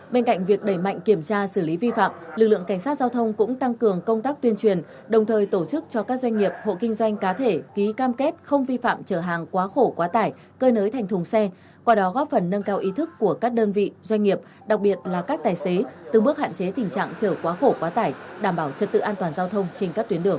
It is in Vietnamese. bên cạnh việc đẩy mạnh kiểm tra xử lý vi phạm lực lượng cảnh sát giao thông cũng tăng cường công tác tuyên truyền đồng thời tổ chức cho các doanh nghiệp hộ kinh doanh cá thể ký cam kết không vi phạm chở hàng quá khổ quá tải cơ nới thành thùng xe qua đó góp phần nâng cao ý thức của các đơn vị doanh nghiệp đặc biệt là các tài xế từng bước hạn chế tình trạng chở quá khổ quá tải đảm bảo chất tự an toàn giao thông trên các tuyến đường